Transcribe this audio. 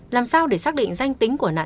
làm sao để xác định danh tính của nạn nhân